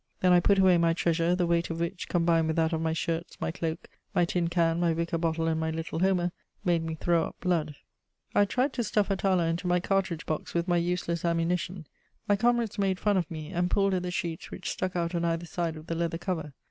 Then I put away my treasure, the weight of which, combined with that of my shirts, my cloak, my tin can, my wicker bottle, and my little Homer, made me throw up blood. I tried to stuff Atala into my cartridge box with my useless ammunition; my comrades made fun of me, and pulled at the sheets which stuck out on either side of the leather cover.